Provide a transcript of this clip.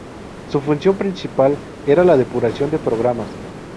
Su función principal era la depuración de programas.